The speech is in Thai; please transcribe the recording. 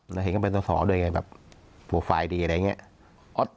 แล้วเห็นก็เป็นสอสอด้วยไงแบบโปรไฟล์ดีอะไรอย่างนี้